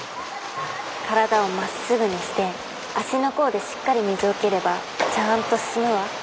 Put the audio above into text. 体をまっすぐにして足の甲でしっかり水を蹴ればちゃんと進むわ。